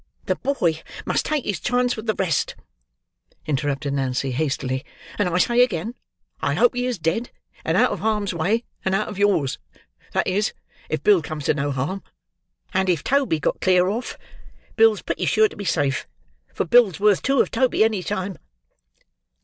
"The boy must take his chance with the rest," interrupted Nancy, hastily; "and I say again, I hope he is dead, and out of harm's way, and out of yours,—that is, if Bill comes to no harm. And if Toby got clear off, Bill's pretty sure to be safe; for Bill's worth two of Toby any time."